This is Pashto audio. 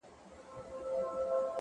هوډ د ناکامۍ ویره کموي،